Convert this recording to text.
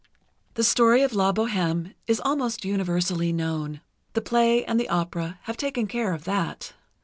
The story of "La Bohême" is almost universally known—the play and the opera have taken care of that.